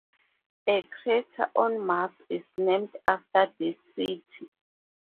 A crater on Mars is named after this city.